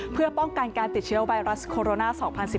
เพื่อป้องกันการติดเชื้อไวรัสโคโรนา๒๐๑๙